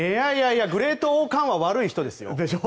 いやいやグレート−Ｏ−カーンは悪い人ですよ。